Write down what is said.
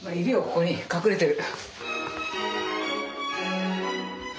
ここに隠れてる。